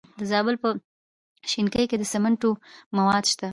د زابل په شنکۍ کې د سمنټو مواد شته.